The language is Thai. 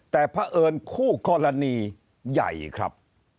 แต่พระเอิญคู่กรณีใหญ่ครับ